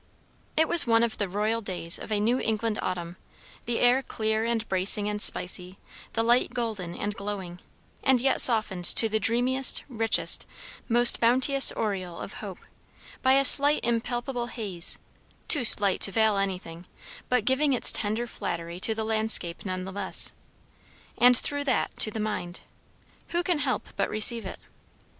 It was one of the royal days of a New England autumn; the air clear and bracing and spicy; the light golden and glowing, and yet softened to the dreamiest, richest, most bounteous aureole of hope, by a slight impalpable haze; too slight to veil anything, but giving its tender flattery to the landscape nevertheless. And through that to the mind. Who can help but receive it?